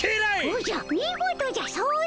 おじゃ見事じゃ掃除や。